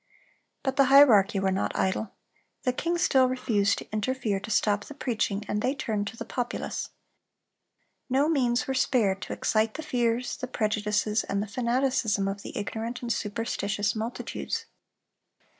But the hierarchy were not idle. The king still refused to interfere to stop the preaching, and they turned to the populace. No means were spared to excite the fears, the prejudices, and the fanaticism of the ignorant and superstitious multitudes.